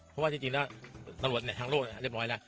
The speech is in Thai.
เพราะว่าจริงน่ารวดทางโลกเรียบร้อยแล้ว